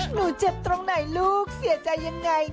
หนูเจ็บตรงไหนลูกเสียใจยังไง